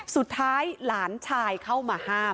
สุดท้ายหลานชายเข้ามาห้าม